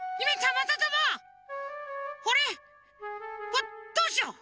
わっどうしよう？